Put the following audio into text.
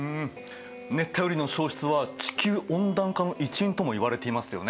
熱帯雨林の消失は地球温暖化の一因ともいわれていますよね。